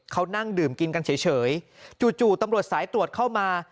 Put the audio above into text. เขานั่งดื่มกินกันเฉยจู่ตำรวจสายตรวจเข้ามา